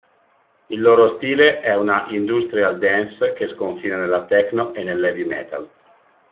Il loro stile è una industrial dance che sconfina nella techno e nell'heavy metal.